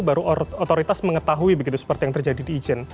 baru otoritas mengetahui begitu seperti yang terjadi di ijen